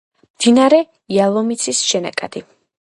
მდინარე იალომიცის შენაკადი.